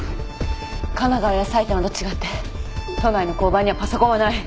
神奈川や埼玉と違って都内の交番にはパソコンはない。